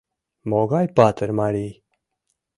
Могай патыр марий!